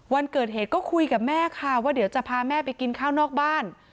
วันเกิดเหตุก็คุยกับแม่ค่ะว่าเดี๋ยวจะพาแม่ไปกินข้าวนอกบ้าน